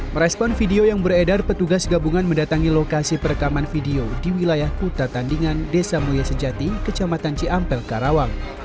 merespon video yang beredar petugas gabungan mendatangi lokasi perekaman video di wilayah kuta tandingan desa muya sejati kecamatan ciampel karawang